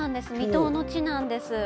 未踏の地なんです。